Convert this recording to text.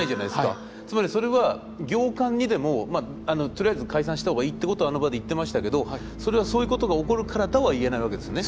つまりそれは行間にでもとりあえず解散した方がいいってことはあの場で言ってましたけどそれは「そういうことが起こるからだ」は言えないわけですね。